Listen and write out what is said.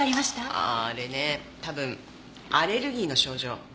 あああれねたぶんアレルギーの症状。